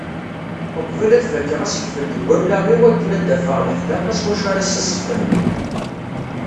Uqbel ad fakkeɣ asekfel deg wallaɣ-iw akken ad d-afeɣ leḥdaqa s wacu ara as-sfehmeɣ.